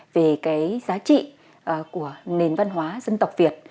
về cái giá trị của nền văn hóa dân tộc việt